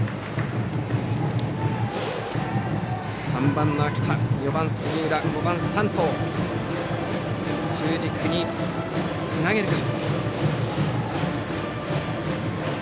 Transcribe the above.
３番の秋田、４番の杉浦５番、山藤の中軸につなげるか。